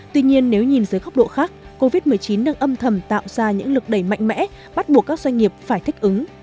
tuy nhiên nếu nhìn dưới góc độ khác covid một mươi chín đang âm thầm tạo ra những lực đẩy mạnh mẽ bắt buộc các doanh nghiệp phải thích ứng